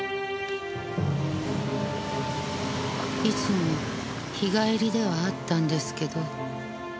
いつも日帰りではあったんですけど。